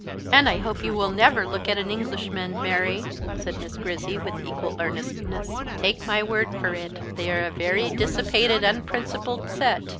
"And I hope you will never look at an Englishman, Mary," said Miss Grizzy, with equal earnestness; "take my word for it they are a very dissipated, unprincipled set.